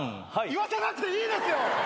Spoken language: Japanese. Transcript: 言わせなくていいですよ！